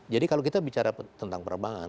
jadi kalau kita bicara tentang penerbangan